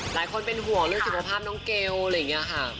หลายคนเป็นห่วงเรื่องสุขภาพน้องเกลอะไรอย่างนี้ค่ะ